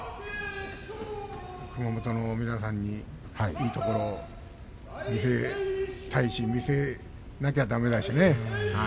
熊本の皆さんにいいところを見せたいし見せなきゃだめだし。